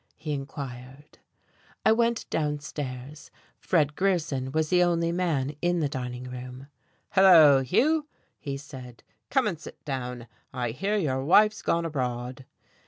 he inquired. I went downstairs. Fred Grierson was the only man in the dining room. "Hello, Hugh," he said, "come and sit down. I hear your wife's gone abroad."